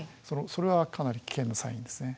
それはかなり危険なサインですね。